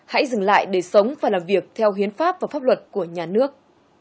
hãy dừng lại để sống và làm việc theo hiến pháp và pháp luật của nhà nước